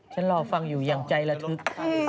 ฉันรอฟังอยู่อย่างใจระทึก